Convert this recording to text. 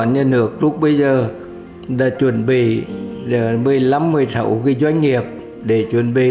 lên thàn thôi